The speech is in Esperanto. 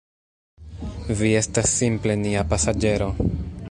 Vi estas simple nia pasaĝero.